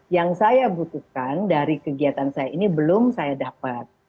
yang saya butuhkan dari kegiatan saya ini belum saya dapat